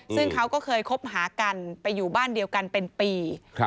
ซึ่งเขาก็เคยคบหากันไปอยู่บ้านเดียวกันเป็นปี